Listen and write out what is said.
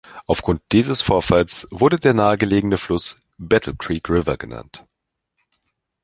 Aufgrund dieses Vorfalls wurde der nahe gelegene Fluss "Battle Creek River" genannt.